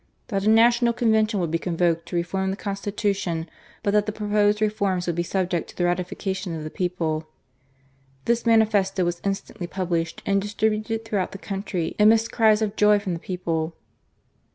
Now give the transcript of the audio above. That a National Convention would be convoked to reform the Constitution, but that the proposed reforms would be subject to the ratification of the people." This manifesto was instantly published and distributed throughout the country, amidst cries of joy from the people.